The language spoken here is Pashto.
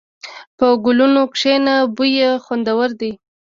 په ګلونو کښېنه، بوی یې خوندور دی.